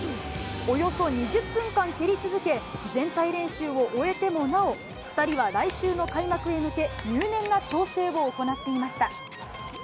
およそ２０分間蹴り続け、全体練習を終えてもなお、２人は来週の開幕へ向け、入念な調整を行っていました。